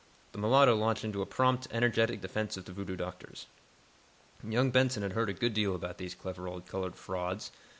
The mulatto launched into a prompt, energetic defense of the voodoo doctors. Young Benson had heard a good deal about these clever old colored frauds.